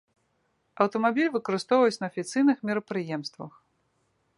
Аўтамабіль выкарыстоўваюць на афіцыйных мерапрыемствах.